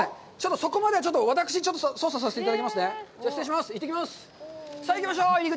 そこまで私、操作させていただきますね。